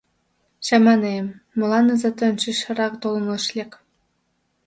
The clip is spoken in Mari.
— Чаманем, молан изат ончычрак толын ыш лек.